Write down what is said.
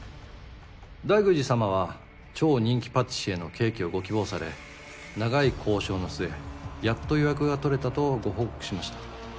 大宮司様は超人気パティシエのケーキをご希望され長い交渉の末やっと予約が取れたとご報告しました。